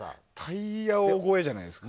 タイヤ王超えじゃないですか。